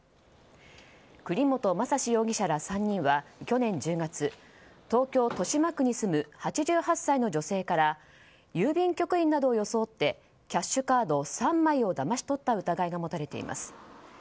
栗本昌史容疑者ら３人は去年１０月、東京・豊島区に住む８８歳の女性から郵便局員などを装ってキャッシュカード３枚をだまし取った疑いが持たれています。